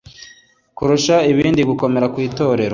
kirusha ibindi gukomera kwitorero